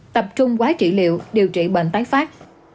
tập trung quá trị liệu điều trị bệnh tái phát